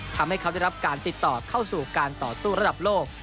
ทำให้เขาได้รับการติดต่อเข้าสู่การต่อสู้ระดับโลก